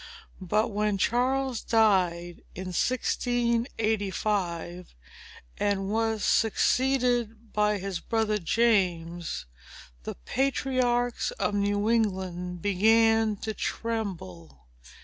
But when Charles died, in 1685, and was succeeded by his brother James, the patriarchs of New England began to tremble.